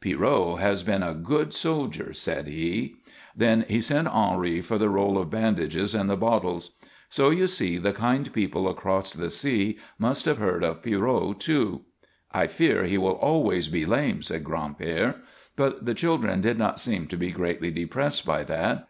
"Pierrot has been a good soldier," said he. Then he sent Henri for the roll of bandages and the bottles. So you see the kind people across the sea must have heard of Pierrot, too. "I fear he will always be lame," said Gran'père. But the children did not seem to be greatly depressed by that.